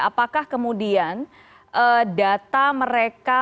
apakah kemudian data mereka